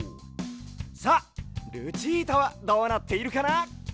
さあルチータはどうなっているかな？